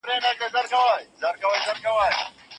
تاسي باید د ژبو د زده کړې لپاره له موبایل څخه ښه ګټه واخلئ.